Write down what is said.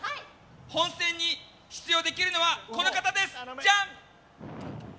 本戦に出場できるのはこの方です！